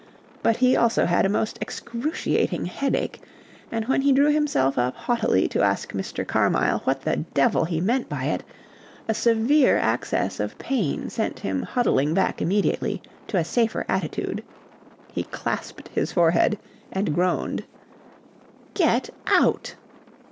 But he also had a most excruciating headache, and when he drew himself up haughtily to ask Mr. Carmyle what the devil he meant by it, a severe access of pain sent him huddling back immediately to a safer attitude. He clasped his forehead and groaned. "Get out!"